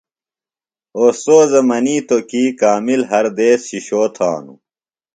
اوستوذہ منیتوۡ کی کامل ہر دیس شِشو تھانوۡ۔